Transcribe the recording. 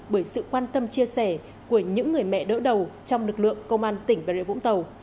bởi sự quan tâm chia sẻ của những người mẹ đỡ đầu trong lực lượng công an tỉnh bà rịa vũng tàu